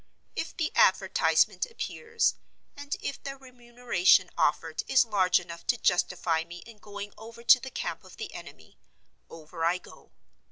If the advertisement appears, and if the remuneration offered is large enough to justify me in going over to the camp of the enemy, over I go.